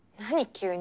急に。